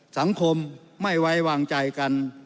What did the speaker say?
สังคมไม่ไว้วางใจกัน